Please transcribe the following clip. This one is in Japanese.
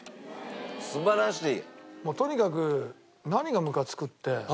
素晴らしい。